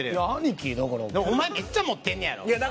お前めっちゃ持ってんねやろ！